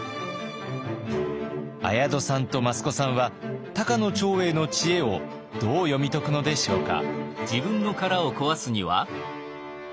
綾戸さんと益子さんは高野長英の知恵をどう読み解くのでしょうか？